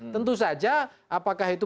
tentu saja apakah itu